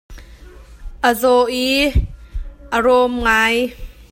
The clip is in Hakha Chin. A zaw i a rawm ngai.